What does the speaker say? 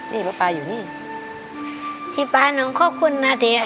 นี่ป๊าป๊าอยู่นี่พี่ป๊าน้องขอบคุณนะที่อ่ะ